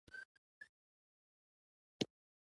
هره ورځ به په نویو ابعادو او زړو وسایلو کې ډیزاین کېږي.